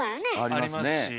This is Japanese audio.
ありますね。